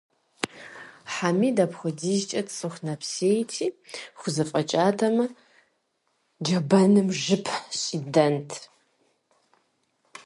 Хьэмид апхуэдизкӏэ цӏыху нэпсейти, хузэфӏэкӏатэмэ, джэбыным жып щӏидэнт.